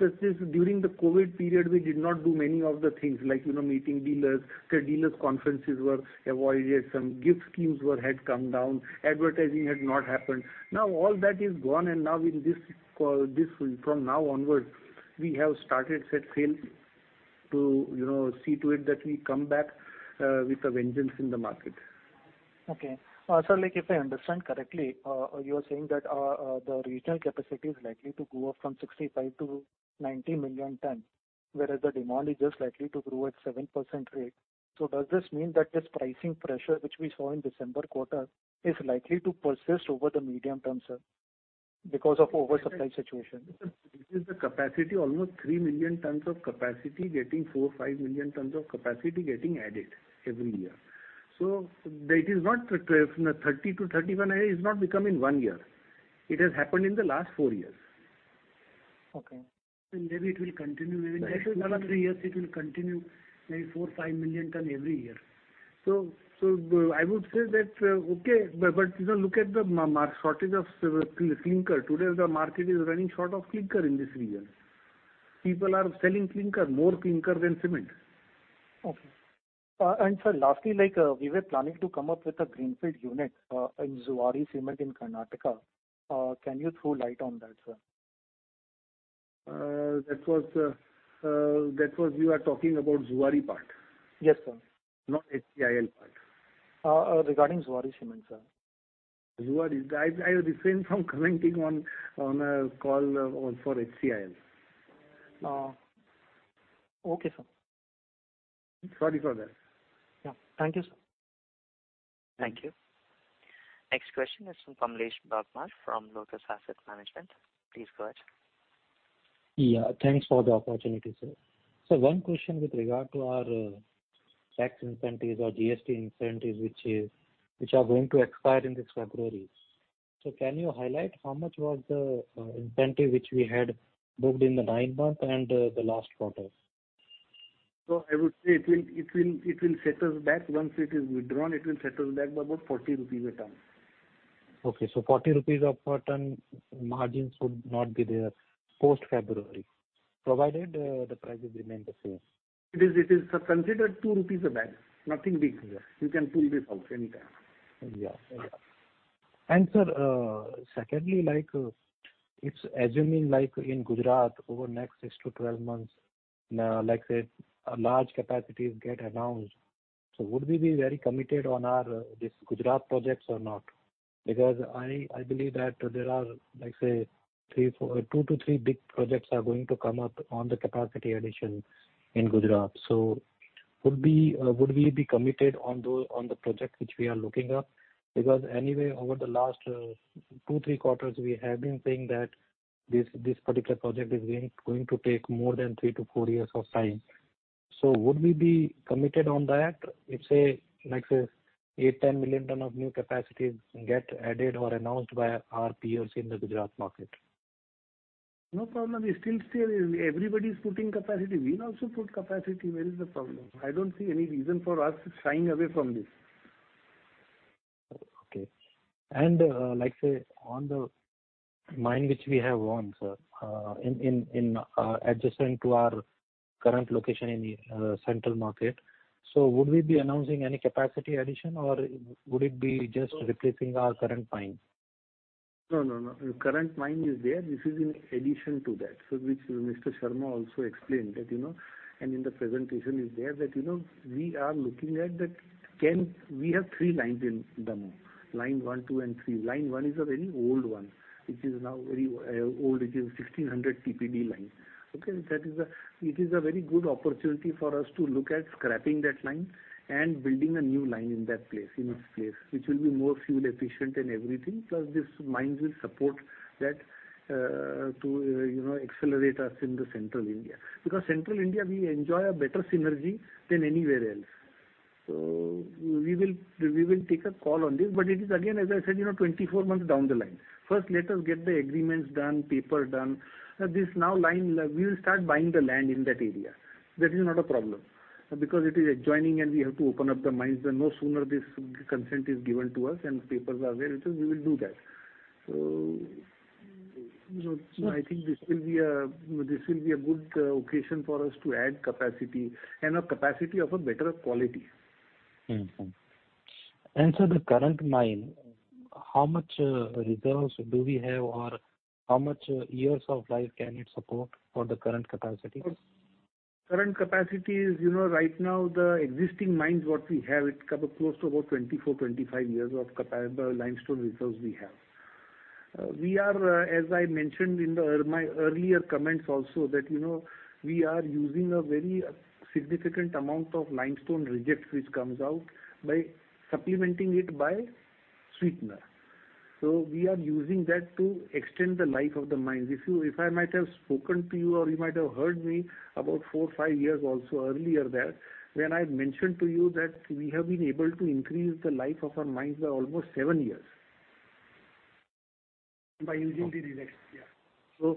Because this, during the COVID period, we did not do many of the things, like, you know, meeting dealers, the dealers conferences were avoided, some gift schemes were had come down, advertising had not happened. Now, all that is gone, and now in this call, this, from now onwards, we have started set sail to, you know, see to it that we come back with a vengeance in the market. Okay. Sir, like, if I understand correctly, you are saying that the regional capacity is likely to go up from 65 to 90 million ton, whereas the demand is just likely to grow at 7% rate. So does this mean that this pricing pressure, which we saw in December quarter, is likely to persist over the medium term, sir, because of oversupply situation? This is the capacity, almost 3 million ton of capacity getting 4 to 5 million ton of capacity getting added every year. So it is not 30 to 31, it's not become in 1 year. It has happened in the last 4 years. Okay. Maybe it will continue. Even next two to three years, it will continue, maybe 4 to 5 million ton every year. I would say that, you know, look at the market shortage of clinker. Today, the market is running short of clinker in this region. People are selling clinker, more clinker than cement. Okay. Sir, lastly, like, we were planning to come up with a greenfield unit in Zuari Cement in Karnataka. Can you throw light on that, sir? That was, that was you are talking about Zuari part? Yes, sir. Not HCIL part. Regarding Zuari Cement, Sir. Zuari, I refrain from commenting on a call on for HCIL. Okay, sir. Sorry for that. Yeah. Thank you, sir. Thank you. Next question is from Kamlesh Bagmar from Lotus Asset Management. Please go ahead. Yeah, thanks for the opportunity, sir. So one question with regard to our tax incentives or GST incentives, which is, which are going to expire in this February. So can you highlight how much was the incentive which we had booked in the nine month and the last quarter? I would say it will set us back. Once it is withdrawn, it will set us back by about 40 rupees a ton. Okay, so 40 rupees per ton margins would not be there post-February, provided the prices remain the same. It is, it is considered 2 rupees a bag, nothing big. You can pull this out anytime. Yeah. Yeah. And Sir, secondly, like, if assuming, like, in Gujarat, over the next 6 to 12 months, like, say, a large capacities get announced, so would we be very committed on our, this Gujarat projects or not? Because I believe that there are, let's say, 3, 4, 2-3 big projects are going to come up on the capacity addition in Gujarat. So would we, would we be committed on those, on the project which we are looking at? Because anyway, over the last Q2, Q3, we have been saying that this particular project is going to take more than three to four years of time. So would we be committed on that, if, say, like, say, 8 to 10 million ton of new capacities get added or announced by our peers in the Gujarat market? No problem. We still say everybody's putting capacity. We'll also put capacity. Where is the problem? I don't see any reason for us shying away from this. Okay. And, like, say, on the mine which we have won, Sir, in adjacent to our current location in central market, so would we be announcing any capacity addition, or would it be just replacing our current mine? No, no, no. Current mine is there. This is in addition to that. So which Mr. Sharma also explained that, you know, and in the presentation is there, that, you know, we are looking at that. We have three lines in Damoh, line one, two, and three. Line one is a very old one, which is now very old, it is 1,600 TPD line. Okay? That is a— It is a very good opportunity for us to look at scrapping that line and building a new line in that place, in its place, which will be more fuel efficient and everything. Plus, this mines will support that, to, you know, accelerate us in the Central India. Because Central India, we enjoy a better synergy than anywhere else.... So we will take a call on this, but it is again, as I said, you know, 24 months down the line. First, let us get the agreements done, paper done. Now this new line, we will start buying the land in that area. That is not a problem, because it is adjoining and we have to open up the mines. No sooner this consent is given to us and papers are there, we will do that. So, you know, I think this will be a good occasion for us to add capacity and a capacity of a better quality. Mm-hmm. So the current mine, how much reserves do we have, or how much years of life can it support for the current capacity? Current capacity is, you know, right now, the existing mines, what we have, it cover close to about 24 to 25 years of the limestone reserves we have. We are, as I mentioned in my earlier comments also, that, you know, we are using a very significant amount of limestone reject, which comes out, by supplementing it by sweetener. So we are using that to extend the life of the mines. If I might have spoken to you, or you might have heard me about four, five years also earlier there, when I mentioned to you that we have been able to increase the life of our mines by almost seven years. By using the rejects, yeah. Now,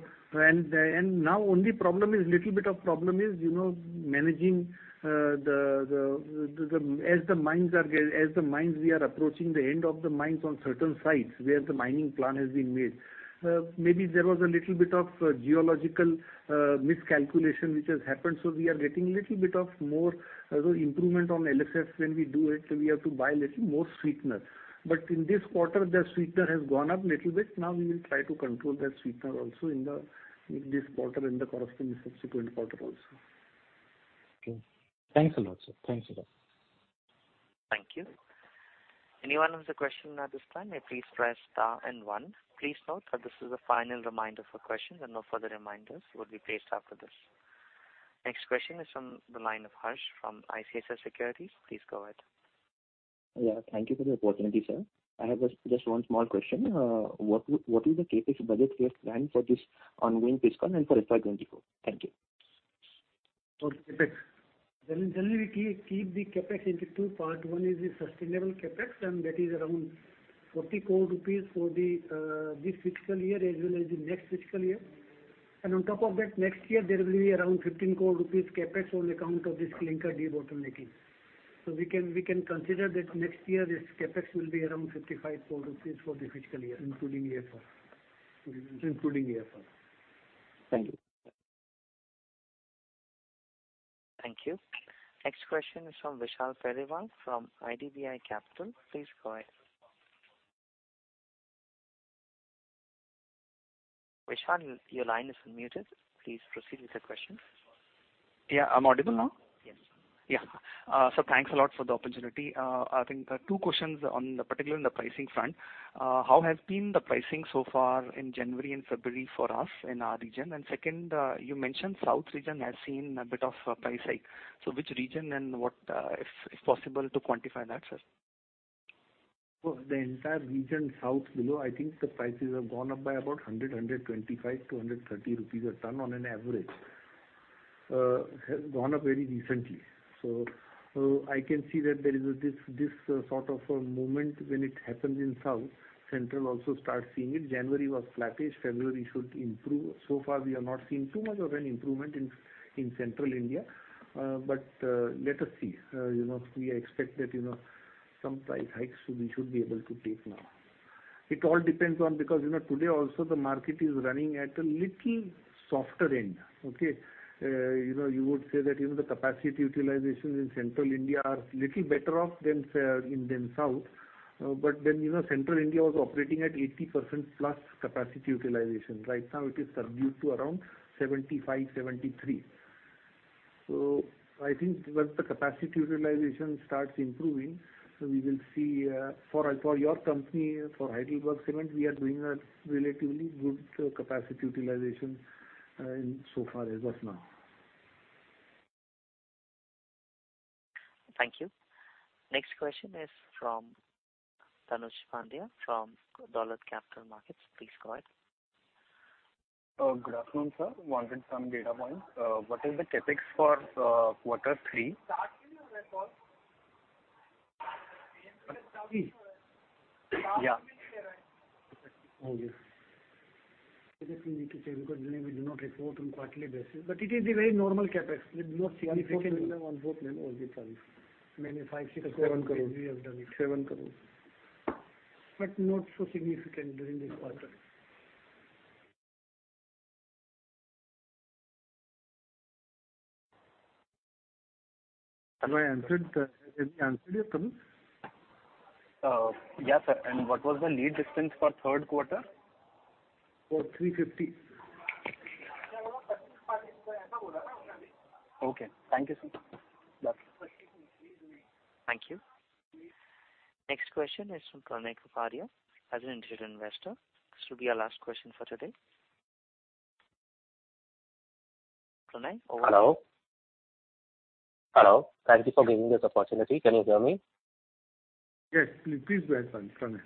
the only problem is, little bit of problem is, you know, managing the as the mines, we are approaching the end of the mines on certain sites where the mining plan has been made. Maybe there was a little bit of geological miscalculation which has happened, so we are getting little bit of more improvement on LSF when we do it, so we have to buy little more sweetener. But in this quarter, the sweetener has gone up little bit. Now we will try to control that sweetener also in this quarter and the corresponding subsequent quarter also. Okay. Thanks a lot, sir. Thanks a lot. Thank you. Anyone who has a question at this time, may please press star and one. Please note that this is the final reminder for questions, and no further reminders will be placed after this. Next question is from the line of Harsh, from ICICI Securities. Please go ahead. Yeah, thank you for the opportunity, sir. I have just, just one small question. What is the CapEx budget we have planned for this ongoing fiscal and for FY24? Thank you. For CapEx. Well, generally, we keep the CapEx into two part. One is the sustainable CapEx, and that is around 40 crore rupees for this fiscal year as well as the next fiscal year. And on top of that, next year, there will be around 15 crore rupees CapEx on account of this clinker debottlenecking. So we can consider that next year, this CapEx will be around 55 crore rupees for the fiscal year. Including AFR? Including AFR. Thank you. Thank you. Next question is from Vishal Periwal from IDBI Capital. Please go ahead. Vishal, your line is unmuted. Please proceed with your questions. Yeah, I'm audible now? Yes. Yeah. So thanks a lot for the opportunity. I think two questions on the particular in the pricing front. How has been the pricing so far in January and February for us in our region? And second, you mentioned south region has seen a bit of a price hike. So which region and what, if possible, to quantify that, Sir? Well, the entire region, south, below, I think the prices have gone up by about 10 to 125 to 130 rupees a ton on an average. Has gone up very recently. So, I can see that there is this sort of a moment when it happens in south, central also starts seeing it. January was flattish, February should improve. So far, we have not seen too much of an improvement in central India, but let us see. You know, we expect that, you know, some price hikes, we should be able to take now. It all depends on... Because, you know, today also the market is running at a little softer end, okay? You know, you would say that, you know, the capacity utilizations in central India are a little better off than than south, but then, you know, central India was operating at 80% plus capacity utilization. Right now, it is subdued to around 75 to 73. So I think once the capacity utilization starts improving, so we will see, for, for your company, for HeidelbergCement, we are doing a relatively good capacity utilization, in so far as of now. Thank you. Next question is from Tanuj Pandya from Dolat Capital Markets. Please go ahead. Good afternoon, sir. Wanted some data points. What is the CapEx for Q3? Okay. We do not report on quarterly basis, but it is a very normal CapEx. It is not significant. 1.4 million or 1.5 million. 5 crore to 6 crore to 7 crore. We have done it. 7 crore. But not so significant during this quarter. Have I answered your question? Yeah, sir. What was the lead distance for Q3? For 350. Okay. Thank you, sir. Bye. Thank you. Next question is from Pranay Kapadia, as an individual investor. This will be our last question for today. Pranay, over- Hello? Hello, thank you for giving me this opportunity. Can you hear me? Yes, please go ahead, Pranay.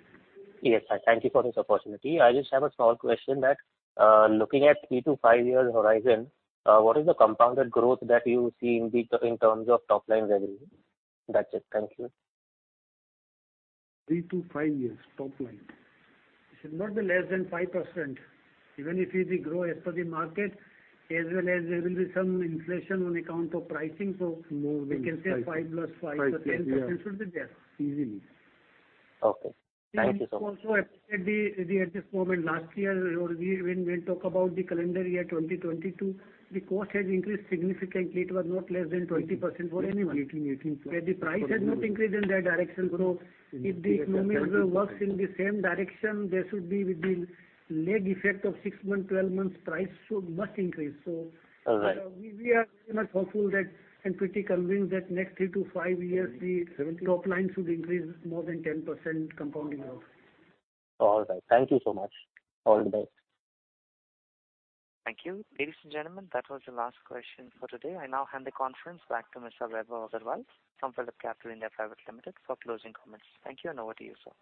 Yes, sir. Thank you for this opportunity. I just have a small question that, looking at three to five years horizon, what is the compounded growth that you see in the, in terms of top line revenue? That's it. Thank you. Three to five years, top line. It should not be less than 5%. Even if it be grow as per the market, as well as there will be some inflation on account of pricing. So- More than five. We can say 5 + 5. Five, yeah. So 10% should be there. Easily. Okay. Thank you, sir. Also, at this moment last year, or when we talk about the calendar year 2022, the cost has increased significantly. It was not less than 20% for anyone. 18, 18%. But the price has not increased in that direction. So if the moment works in the same direction, there should be within lag effect of 6 months, 12 months, price should, must increase. So- All right. We are very much hopeful that, and pretty convinced, that next three to five years, the top line should increase more than 10% compounding growth. All right. Thank you so much. All the best. Thank you. Ladies and gentlemen, that was the last question for today. I now hand the conference back to Mr. Vaibhav Agarwal from PhillipCapital (India) Private Limited, for closing comments. Thank you, and over to you, sir.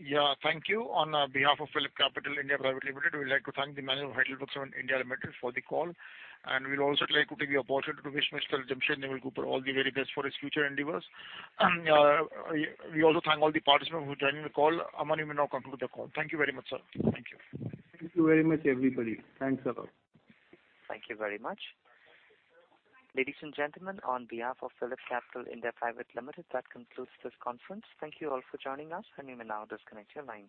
Yeah, thank you. On behalf of PhillipCapital (India) Private Limited, we'd like to thank the management of HeidelbergCement India Limited for the call. We'd also like to take the opportunity to wish Mr. Jamshed Naval Cooper all the very best for his future endeavors. We also thank all the participants who joined the call. Aman, you may now conclude the call. Thank you very much, sir. Thank you. Thank you very much, everybody. Thanks a lot. Thank you very much. Ladies and gentlemen, on behalf of PhillipCapital (India) Private Limited, that concludes this conference. Thank you all for joining us, and you may now disconnect your lines.